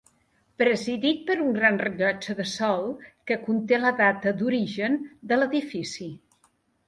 Presidit per un gran rellotge de sol, que conté la data d’origen de l’edifici.